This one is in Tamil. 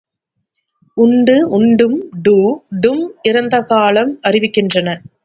உண்டு உண்டும் டு, டும் இறந்த காலம் அறிவிக்கின்றன.